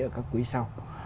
ở các quý sau